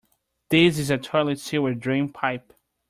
This is a toilet sewer drain pipe.